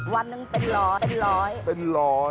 วันนึงเป็นร้อยเป็นร้อย